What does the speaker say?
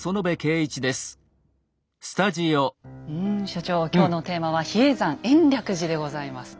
所長今日のテーマは「比叡山延暦寺」でございます。